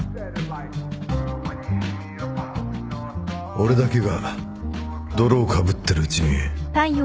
俺だけが泥をかぶってるうちに。